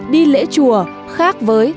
đi lễ chùa khác với